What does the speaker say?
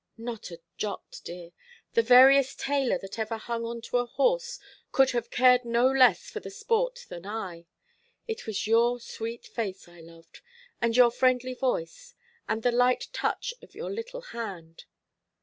Not a jot, dear. The veriest tailor that ever hung on to a horse could have cared no less for the sport than I. It was your sweet face I loved, and your friendly voice, and the light touch of your little hand.